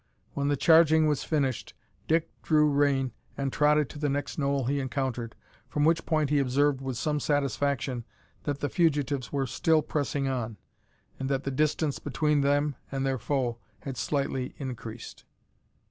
When the charging was finished, Dick drew rein and trotted to the next knoll he encountered, from which point he observed with some satisfaction that the fugitives were still pressing on, and that the distance between them and their foe had slightly increased.